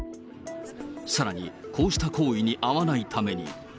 さらに、こうした行為に遭わないために。